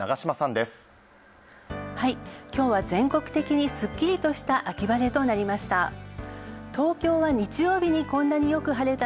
今日は全国的にすっきりとした秋晴れとなりました。